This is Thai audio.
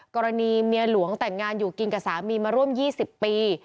กรณีเมียหลวงแต่งงานอยู่กินกับสามีมาร่วม๒๐ปี